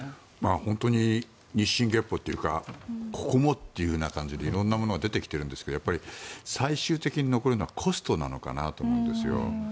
本当に日進月歩というかここもというような感じで色んなものが出てきているんですが最終的に残るのはコストなのかなと思うんですよ。